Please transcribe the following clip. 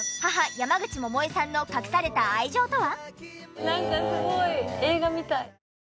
山口百恵さんの隠された愛情とは？